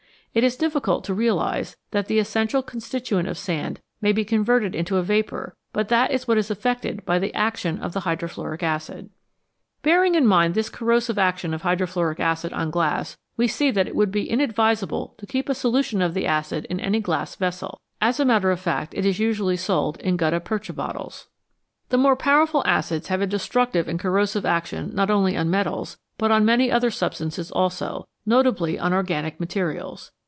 It is difficult to realise that the essential constituent of sand may be converted into a vapour, but that is what is effected by the action of the hydrofluoric acid. Bearing in mind this corrosive action of hydrofluoric acid on glass, we see that it would be inadvisable to keep a solution of the acid in any glass vessel ; as a matter of fact, it is usually sold in gutta percha bottles. 84 ACIDS AND ALKALIS The more powerful acids have a destructive and cor rosive action not only on metals, but on many other substances also, notably on organic materials.